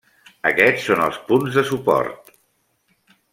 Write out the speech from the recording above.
Aquests són els punts de suport.